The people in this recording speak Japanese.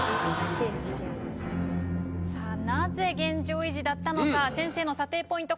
さあなぜ現状維持だったのか先生の査定ポイント